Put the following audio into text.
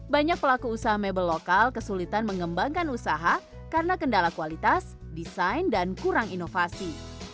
banyak pelaku usaha mebel lokal kesulitan mengembangkan usaha karena kendala kualitas desain dan kurang inovasi